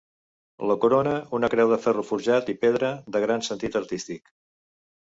La corona una creu de ferro forjat i pedra de gran sentit artístic.